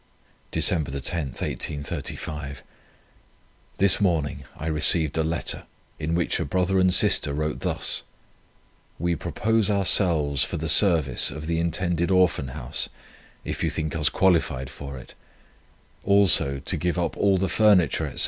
"December 10, 1835. This morning I received a letter, in which a brother and sister wrote thus: "We propose ourselves for the service of the intended Orphan House, if you think us qualified for it; also to give up all the furniture, &c.